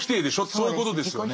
そういうことですよね。